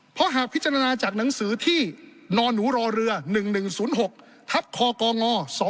เพราะหากพิจารณาจากหนังสือที่นอนหนูรอเรือ๑๑๐๖ทับคกง๒๕๖